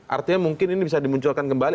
artinya mungkin ini bisa dimunculkan kembali